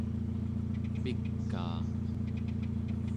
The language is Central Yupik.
pikaa